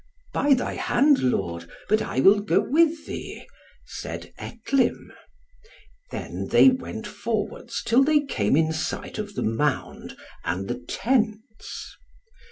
"By thy hand, lord, but I will go with thee," said Etlym. Then they went forwards till they came in sight of the mound and the tents.